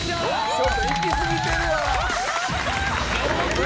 ちょっといき過ぎてるよ。